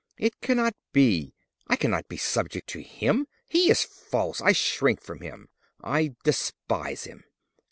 "It cannot be! I cannot be subject to him. He is false. I shrink from him. I despise him!"